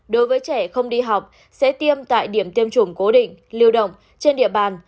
đối với trẻ không đi học sẽ tiêm tại điểm tiêm chủng cố định lưu động trên địa bàn